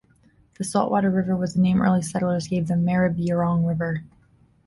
The Saltwater River was a name early settlers gave the Maribyrnong River.